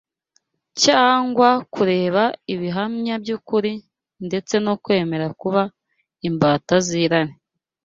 cyangwa kureka ibihamya by’ukuri, ndetse no kwemera kuba imbata z’irari